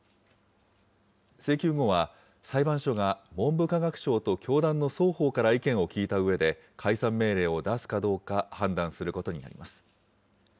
請求後は、裁判所が文部科学省と教団の双方から意見を聴いたうえで、解散命令を出すかどうか判断することになります。